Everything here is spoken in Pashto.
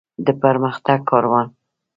د پرمختګ کاروان.